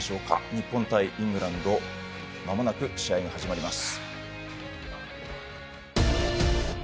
日本対イングランドまもなく試合が始まります。